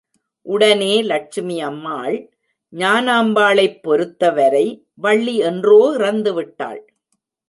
உடனே லட்சுமி அம்மாள், ஞானாம்பாளைப் பொருத்தவரை வள்ளி என்றோ இறந்து விட்டாள்.